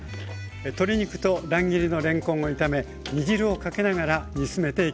鶏肉と乱切りのれんこんを炒め煮汁をかけながら煮詰めていきました。